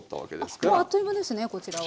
あっもうあっという間ですねこちらは。